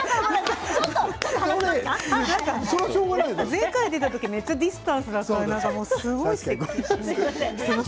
前回出た時、めっちゃディスタンスだったから、すごい。